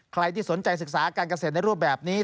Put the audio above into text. ใครที่สนใจศึกษาการเกษตรในรูปแบบนี้